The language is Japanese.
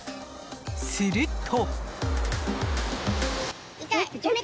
すると。